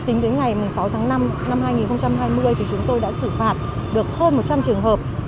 tính đến ngày sáu tháng năm năm hai nghìn hai mươi thì chúng tôi đã xử phạt được hơn một trăm linh trường hợp